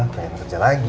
pengen kerja lagi